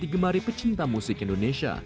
digemari pecinta musik indonesia